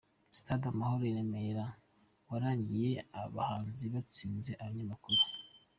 Stade Amahoro i Remera, warangiye abahanzi batsinze abanyamakuru.